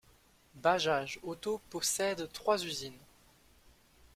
Bajaj Auto possède trois usines.